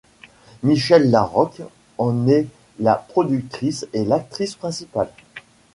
Michèle Laroque en est la productrice et l'actrice principale.